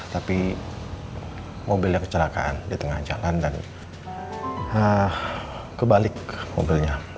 tapi mobilnya kecelakaan di tengah jalan dan kebalik mobilnya